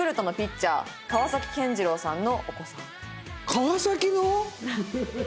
川崎の！？